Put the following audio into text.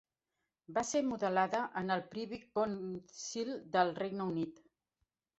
Va ser modelada en el Privy Council del Regne Unit.